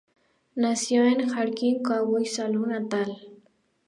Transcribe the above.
Nació en Harding en KwaZulu-Natal.